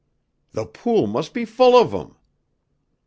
"The pool must be full of 'em!"